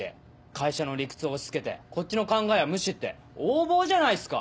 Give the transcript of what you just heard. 会社の理屈を押し付けてこっちの考えは無視って横暴じゃないっすか！